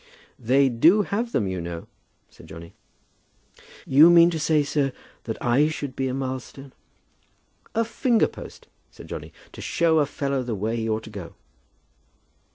"They do have them you know," said Johnny. "Do you mean to say, sir, that I should be a milestone?" "A finger post," said Johnny, "to show a fellow the way he ought to go."